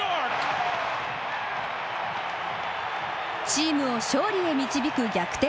チームを勝利へ導く逆転